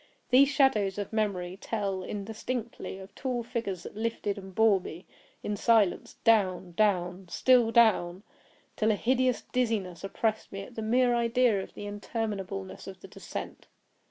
These shadows of memory tell, indistinctly, of tall figures that lifted and bore me in silence down—down—still down—till a hideous dizziness oppressed me at the mere idea of the interminableness of the descent.